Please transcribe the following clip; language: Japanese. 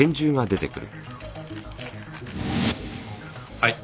はい。